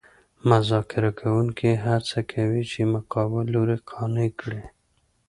مذاکره کوونکي هڅه کوي چې مقابل لوری قانع کړي